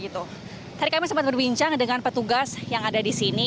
tadi kami sempat berbincang dengan petugas yang ada di sini